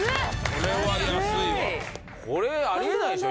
これは安いわこれあり得ないでしょ